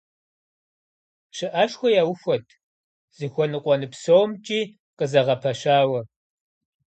ПщыӀэшхуэ яухуэт, зыхуэныкъуэну псомкӀи къызэгъэпэщауэ,.